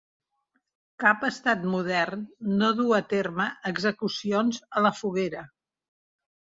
Cap estat modern no du a terme execucions a la foguera.